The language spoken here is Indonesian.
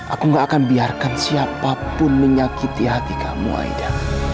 aku gak akan biarkan siapapun menyakiti hati kamu aida